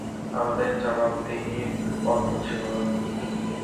আমাদের জবাবদিহির অন্ত ছিল না।